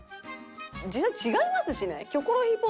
実際違いますしね。